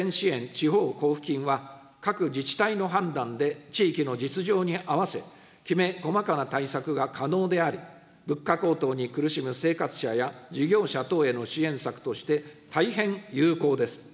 地方交付金は、各自治体の判断で地域の実情に合わせ、きめ細かな対策が可能であり、物価高騰に苦しむ生活者や事業者等への支援策として、大変有効です。